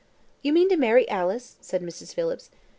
"You mean to marry Alice?" said Mrs. Phillips.